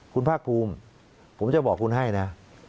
คุณภาคภูมิผมจะบอกคุณให้นะ